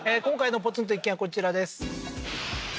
今回のポツンと一軒家はこちらです